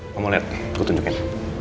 kamu liat gue tunjukin